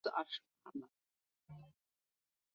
喜欢吞噬人类的美食界怪物。